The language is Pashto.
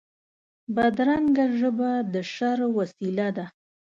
بدرنګه ژبه د شر وسیله ده